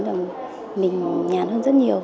là mình nhán hơn rất nhiều